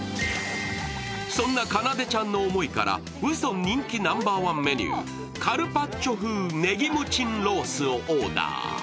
そんなかなでちゃんの思いからＵＳＯＮ人気ナンバーワンメニュー、カルパッチョ風ネギムチンロースをオーダー。